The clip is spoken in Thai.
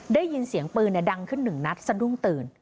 ได้ยินเสียงปืนดังขึ้นหนึ่งนัดสะดุ้งตื่น